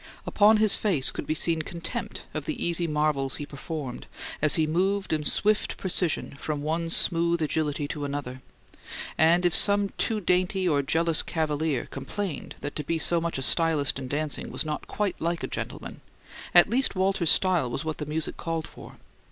Upon his face could be seen contempt of the easy marvels he performed as he moved in swift precision from one smooth agility to another; and if some too dainty or jealous cavalier complained that to be so much a stylist in dancing was "not quite like a gentleman," at least Walter's style was what the music called for.